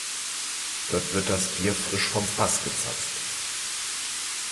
Dort wird das Bier frisch vom Fass gezapft.